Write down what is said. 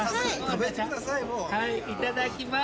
いただきます。